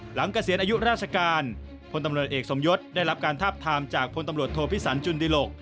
เกษียณอายุราชการพลตำรวจเอกสมยศได้รับการทาบทามจากพลตำรวจโทพิสันจุนดิหลก